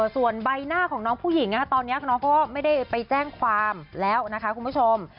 ส่วนใบหน้าของน้องผู้หญิงค่ะตอนนี้คุณผู้หญิงคนนั้นก็ไม่ได้ไปแจ้งความแล้วนะคะคุณผู้ชม